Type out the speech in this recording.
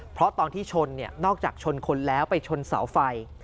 เพราะตอนที่ชนนอกจากชนคนแล้วไปชนเสาไฟ